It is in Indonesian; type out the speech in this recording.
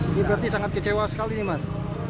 ini berarti sangat kecewa sekali nih mas